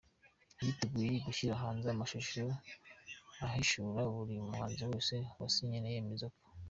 yiteguye gushyira hanze amashusho ahishura buri muhanzi wese wasinye yemeza ko